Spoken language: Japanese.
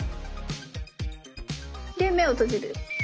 で目を閉じる。